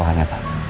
oh hanya pak